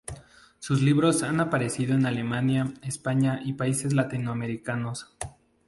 Sus libros han aparecido en Alemania, España y países latinoamericanos.